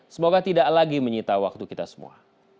semoga tidak lagi menyita waktu kita semua